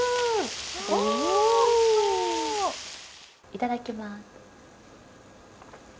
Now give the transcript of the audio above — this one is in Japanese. いただきます。